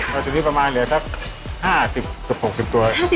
ตอนนี้ประมาณเหลือสัก๕๐เกือบ๖๐ตัว